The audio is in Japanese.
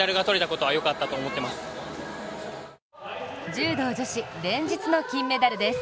柔道女子、連日の金メダルです。